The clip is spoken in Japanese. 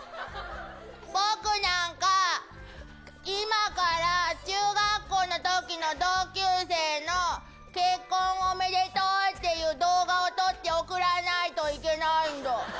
僕なんか、今から中学校のときの同級生の結婚おめでとうっていう動画を撮って送らないといけないんだ。